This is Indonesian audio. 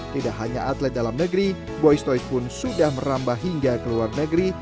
tidak hanya atlet dalam negeri boystoid pun sudah merambah hingga ke luar negeri